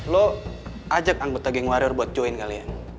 lo ajak anggota geng warrior buat join kalian